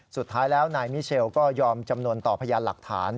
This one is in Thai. สุดท้ายแล้วนายมิเชลก็ยอมจำนวนต่อพยานหลักฐาน